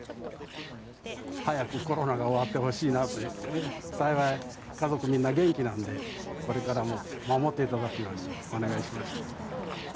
早くコロナが終わってほしいなということで、幸い家族みんな元気なんで、これからも守っていただくようにお願いしました。